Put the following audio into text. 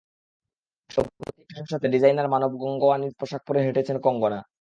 সম্প্রতি একটি ফ্যাশন শোতে ডিজাইনার মানব গঙ্গাওয়ানির পোশাক পরে হেঁটেছেন কঙ্গনা।